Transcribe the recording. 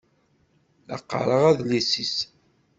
La qqaṛeɣ adlis-is.